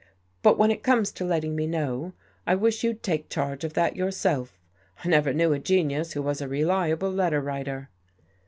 " But when it comes to letting me know, I wish you'd take charge of that yourself. I never knew a genius who was a reliable letter writer."